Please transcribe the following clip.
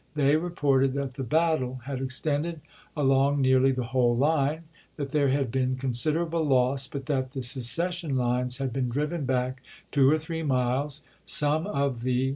They reported that the battle had extended along nearly the whole line ; that there had been con siderable loss; but that the secession fines had been driven back two or three miles, some of the a Vmon Troops.